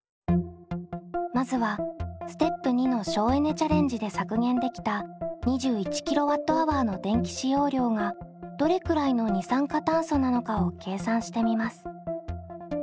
まずはステップ②の省エネ・チャレンジで削減できた２１ｋＷｈの電気使用量がどれくらいの二酸化炭素なのかを計算してみます。